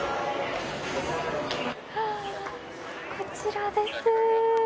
こちらです。